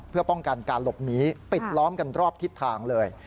เพื่อป้องกันการหลบหนีปิดล้อมกันรอบทิศทางเลย